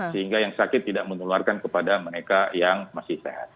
sehingga yang sakit tidak menularkan kepada mereka yang masih sehat